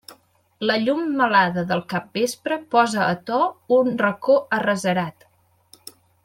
La llum melada del capvespre posa a to un racó arrecerat.